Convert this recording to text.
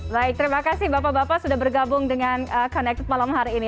baik terima kasih bapak bapak sudah bergabung dengan connected malam hari ini